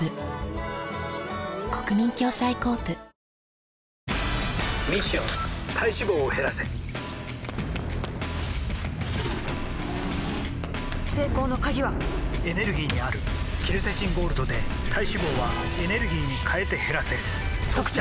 ミッション体脂肪を減らせ成功の鍵はエネルギーにあるケルセチンゴールドで体脂肪はエネルギーに変えて減らせ「特茶」